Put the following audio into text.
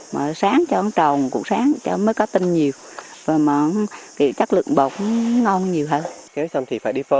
và anh thắng tư vẫn là giúp đỡ